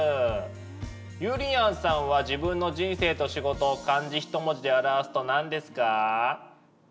ゆりやんさんは自分の人生と仕事漢字一文字で表すと何ですか？